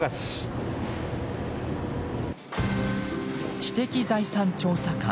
知的財産調査官